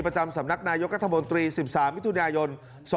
ประจำสำนักนายกรัฐมนตรี๑๓มิถุนายน๒๕๖